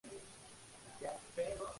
Algunas fuentes la remontan a Zenón de Elea.